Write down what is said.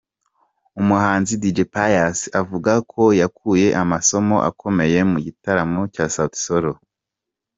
Umuhanzi Dj Pius avuga ko yakuye amasomo akomeye mu gitaramo cya Sauti Sol.